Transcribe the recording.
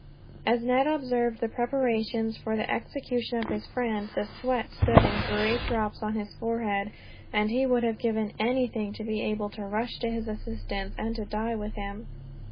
As Ned observed the preparations for the execution of his friend, the sweat stood in great drops on his forehead; and he would have given anything to be able to rush to his assistance, and to die with him.